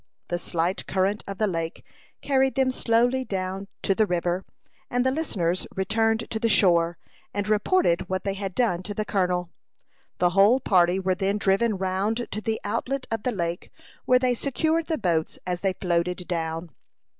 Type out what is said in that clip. The slight current of the lake carried them slowly down to the river, and the listeners returned to the shore, and reported what they had done to the colonel. The whole party were then driven round to the outlet of the lake, where they secured the boats as they floated down.